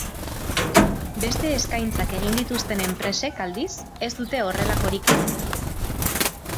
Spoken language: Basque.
Beste eskaintzak egin dituzten enpresek, aldiz, ez dute horrelakorik egin.